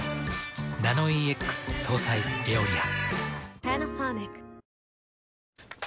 ナノイーＸ搭載「エオリア」。